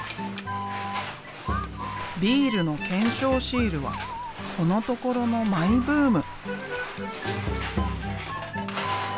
ビールの懸賞シールはこのところのマイブーム。